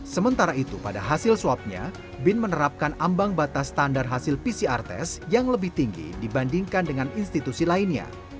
sementara itu pada hasil swabnya bin menerapkan ambang batas standar hasil pcr test yang lebih tinggi dibandingkan dengan institusi lainnya